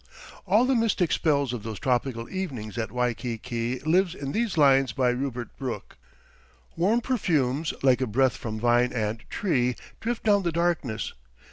All the mystic spell of those tropical evenings at Waikiki lives in these lines by Rupert Brooke: "Warm perfumes like a breath from vine and tree Drift down the darkness.